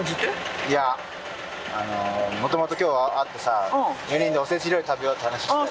いやもともと今日会ってさ４人でお節料理食べようって話してたじゃん。